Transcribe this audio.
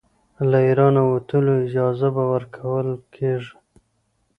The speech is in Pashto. له اېرانه وتلو اجازه به ورکوله کیږي.